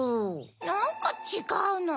なんかちがうの。